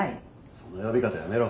その呼び方やめろ。